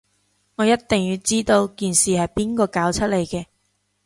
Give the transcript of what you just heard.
我一定要知道件事係邊個搞出嚟嘅